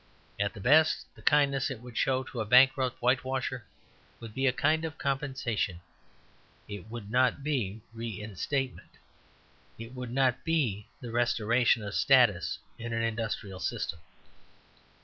At the best the kindness it would show to a bankrupt whitewasher would be a kind of compensation; it would not be reinstatement; it would not be the restoration of status in an industrial system.